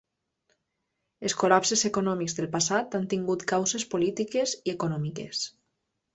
Els col·lapses econòmics del passat han tingut causes polítiques i econòmiques.